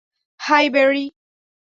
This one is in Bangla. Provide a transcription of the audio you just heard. High, Barry.